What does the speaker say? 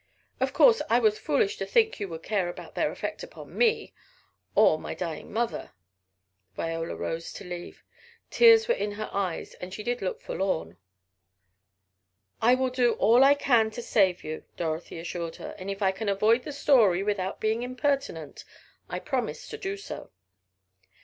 Of course I was foolish to think you would care about their effect upon me, or my dying mother." Viola rose to leave. Tears were in her eyes and she did look forlorn. "I will do all I can to save you," Dorothy assured her, "and if I can avoid the story, without being impertinent, I promise to do so."